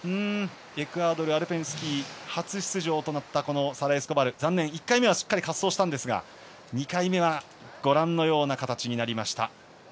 エクアドルではアルペンスキー初出場となったこのサラ・エスコバル１回目は滑走したんですが２回目はご覧のような形になりました。